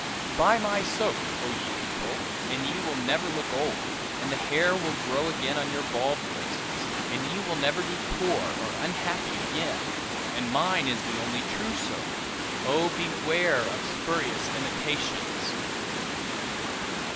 "Buy my soap, oh ye people, and ye will never look old, and the hair will grow again on your bald places, and ye will never be poor or unhappy again; and mine is the only true soap. Oh, beware of spurious imitations!"